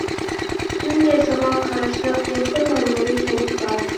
پۈتۈن يېزىغا قاراشلىق يەتتە مەمۇرىي كەنت بار.